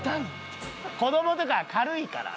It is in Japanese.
子供とかは軽いから。